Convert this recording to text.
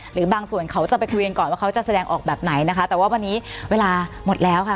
หรือบางส่วนเขาจะไปคุยกันก่อนว่าเขาจะแสดงออกแบบไหนนะคะแต่ว่าวันนี้เวลาหมดแล้วค่ะ